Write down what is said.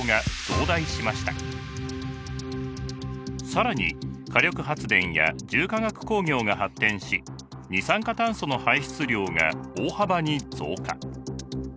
更に火力発電や重化学工業が発展し二酸化炭素の排出量が大幅に増加。